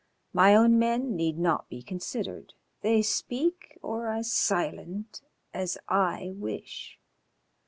My own men need not be considered, they speak or are silent as I wish.